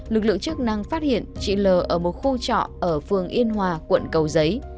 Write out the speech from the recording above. lực lượng chức năng phát hiện chị l ở một khu trọ ở phường yên hòa quận cầu giấy